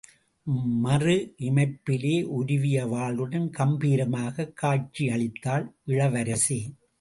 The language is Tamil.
மறு இமைப்பிலே– உருவிய வாளுடன் கம்பீரமாகக் காட்சியளித்தாள் இளவரசி.